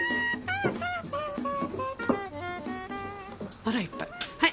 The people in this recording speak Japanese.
あらいっぱい。